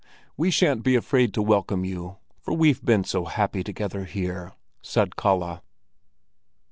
We shan't be afraid to welcome you, for we've been so happy together here," said Kalle.